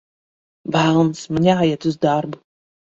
Velns, man jāiet uz darbu!